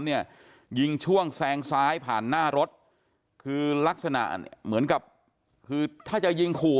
เนี่ยยิงช่วงแซงซ้ายผ่านหน้ารถคือลักษณะเหมือนกับคือถ้าจะยิงขู่